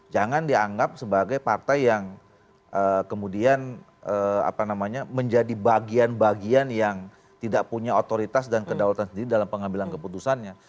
jangan dianggap sebagai partai yang kemudian menjadi bagian bagian yang tidak punya otoritas dan kedaulatan sendiri dalam pengambilan keputusannya